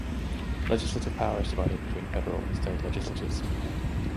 Legislative power is divided between federal and state legislatures.